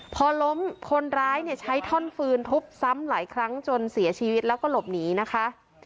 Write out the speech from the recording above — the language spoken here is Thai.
พอล้มคนร้ายเนี่ยใช้ท่อนฟืนทุบซ้ำหลายครั้งจนเสียชีวิตแล้วก็หลบหนีนะคะ